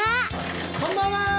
・こんばんは。